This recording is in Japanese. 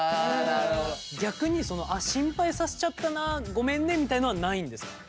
逆に心配させちゃったなごめんねみたいのはないんですか？